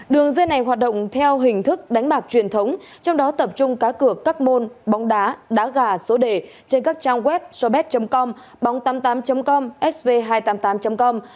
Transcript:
đường dây này hoạt động theo hình thức đánh bạc truyền thống trong đó tập trung cá cược các môn bóng đá đá gà số đề trên các trang web serbet com bóng tám mươi tám com sv hai trăm tám mươi tám com